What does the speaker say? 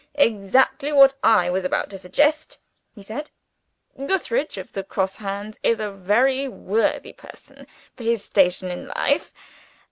"Exactly what I was about to suggest," he said. "Gootheridge of the Gross Hands is a very worthy person for his station in life.